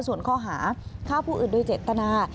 ส่วนข้อหาฆ่าผู้อื่นโดยเจตนา